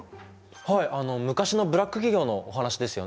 はいあの昔のブラック企業のお話ですよね！